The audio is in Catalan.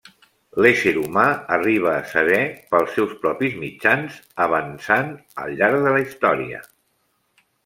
L'ésser humà arriba a saber pels seus propis mitjans, avançant al llarg de la història.